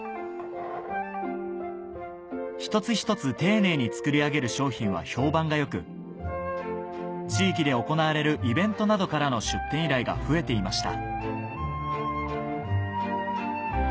一つ一つ丁寧に作り上げる商品は評判が良く地域で行われるイベントなどからの出店依頼が増えていました